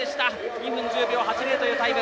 ２分１０秒８０というタイム。